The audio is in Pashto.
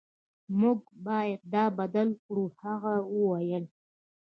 موږ باید دا بدل کړو هغه وویل